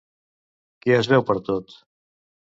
Què es veu pertot?